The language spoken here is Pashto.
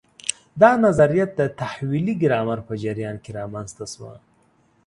دا نظریه د تحویلي ګرامر په جریان کې رامنځته شوه.